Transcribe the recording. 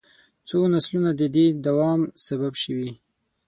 څو نسلونه د دې دوام سبب شوي.